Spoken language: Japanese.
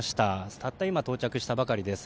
たった今、到着したばかりです。